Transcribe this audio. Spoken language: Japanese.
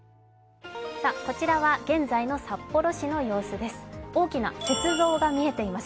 こちらは現在の札幌市の様子です。